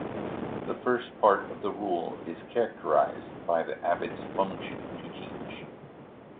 The first part of the Rule is characterized by the abbot's function to teach.